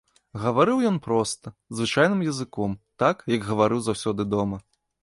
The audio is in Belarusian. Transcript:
Гаварыў ён проста, звычайным языком, так, як гаварыў заўсёды дома.